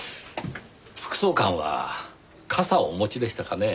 副総監は傘をお持ちでしたかねぇ？